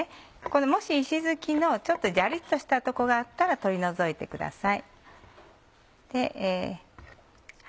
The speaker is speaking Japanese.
もし石突きのちょっとじゃりっとしたとこがあったら取り除いてください。